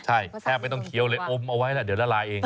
ใช่แทบไม่ต้องเคี้ยวเลยอมเอาไว้แล้วเดี๋ยวละลายเอง